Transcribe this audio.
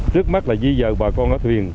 rất mắc là di dợ bà con ở thuyền